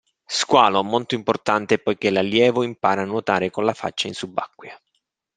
Squalo: molto importante poiché l'allievo impara a nuotare con la faccia in subacquea.